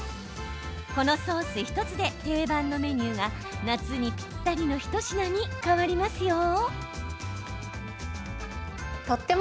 このソース１つで定番のメニューが夏にぴったりの一品に変わりますよ。